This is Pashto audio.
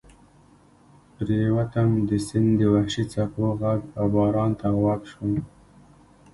پرېوتم، د سیند د وحشي څپو غږ او باران ته غوږ شوم.